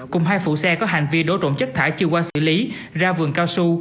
cùng hai phụ xe có hành vi đổ trộm chất thải chưa qua xử lý ra vườn cao su